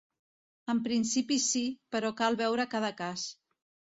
En principi si, però cal veure cada cas.